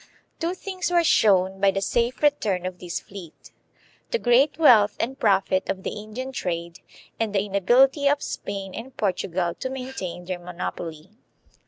Two things were shown by the safe return of this fleet, the great wealth and profit of the Indian trade, and the inability of Spain and Portugal to maintain their monopoly.